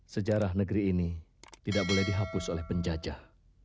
sejarah negeri ini tidak boleh dihapus oleh penjajah